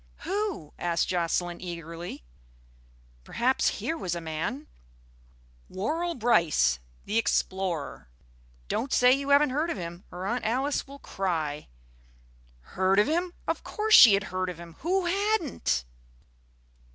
"Who?" asked Jocelyn eagerly. Perhaps here was a man. "Worrall Brice, the explorer. Don't say you haven't heard of him or Aunt Alice will cry." Heard of him? Of course she had heard of him. Who hadn't?